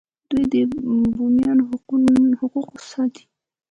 دوی د بومیانو حقوق ساتي.